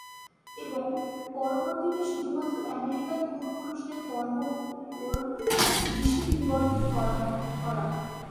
এবং, পরিবর্তে শুধুমাত্র আমেরিকান পূর্বপুরুষদের কর্ম উপর দৃষ্টি নিবদ্ধ করা।